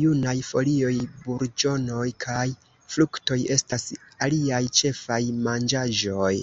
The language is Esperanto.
Junaj folioj, burĝonoj kaj fruktoj estas iliaj ĉefaj manĝaĵoj.